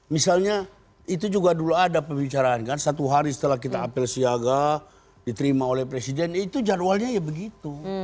misalnya itu juga dulu ada pembicaraan kan satu hari setelah kita apel siaga diterima oleh presiden itu jadwalnya ya begitu